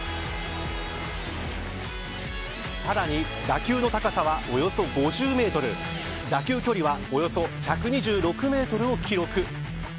さらに打球の高さはおよそ５０メートル打球距離はおよそ１２６メートルを記録。